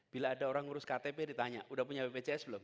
bila ada orang ngurus ktp ditanya udah punya bpjs belum